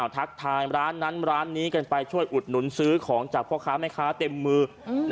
ทักทายร้านนั้นร้านนี้กันไปช่วยอุดหนุนซื้อของจากพ่อค้าแม่ค้าเต็มมือ